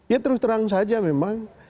ya terus terang saja memang